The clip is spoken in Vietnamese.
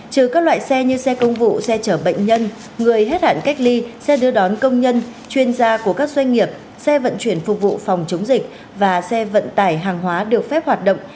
trừ các loại xe như xe công vụ xe chở bệnh nhân người hết hạn cách ly xe đưa đón công nhân chuyên gia của các doanh nghiệp xe vận chuyển phục vụ phòng chống dịch và xe vận tải hàng hóa được phép hoạt động